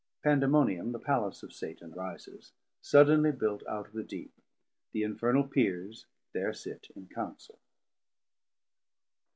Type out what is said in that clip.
Pandemonium the palace of Satan rises, suddenly built out of the Deep: The infernal Peers there sit in Counsel.